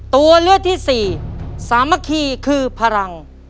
ตัวเลือกที่สี่สามัคคีคือพลัง